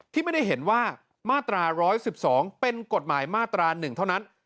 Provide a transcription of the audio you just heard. ที่ไม่ได้เห็นว่ามาตรา๑๑๒เป็นกฎหมายมาตรา๑เท่านั้น